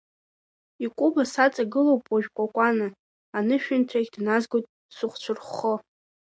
Икәыба саҵагылоуп уажә Кәакәана, анышәынҭрахь дназгоит сыхәцәырххо.